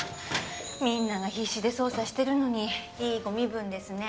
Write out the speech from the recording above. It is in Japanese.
みんなが必死で捜査してるのにいいご身分ですね。